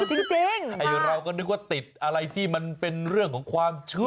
จริงไอ้เราก็นึกว่าติดอะไรที่มันเป็นเรื่องของความเชื่อ